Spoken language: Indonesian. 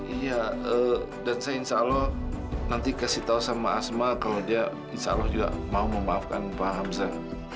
iya dan saya insya allah nanti kasih tahu sama asma kalau dia insya allah juga mau memaafkan pak hamzah